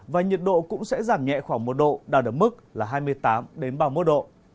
và nhiệt độ cũng sẽ giảm nhẹ khoảng một độ đạt ở mức là hai mươi tám ba mươi một độ